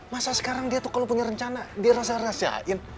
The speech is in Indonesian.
masa sekarang dia tuh kalau punya rencana dia rasa rasain